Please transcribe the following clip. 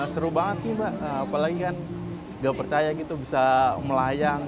seru banget sih mbak apalagi kan gak percaya gitu bisa melayang